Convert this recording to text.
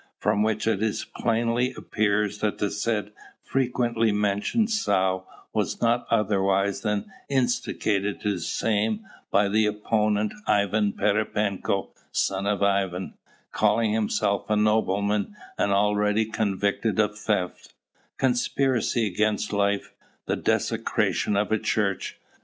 From which it plainly appears that the said frequently mentioned sow was not otherwise than instigated to the same by the opponent, Ivan Pererepenko, son of Ivan, calling himself a nobleman, and already convicted of theft, conspiracy against life, and desecration of a church.